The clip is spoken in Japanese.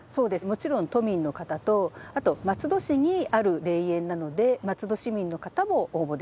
もちろん都民の方とあと松戸市にある霊園なので松戸市民の方も応募できます。